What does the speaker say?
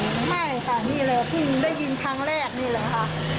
เคยได้ยินแบบไม่ค่ะนี่แหละพี่ได้ยินครั้งแรกนี่แหละค่ะ